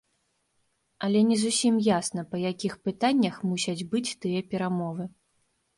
Але не зусім ясна па якіх пытаннях мусяць быць тыя перамовы.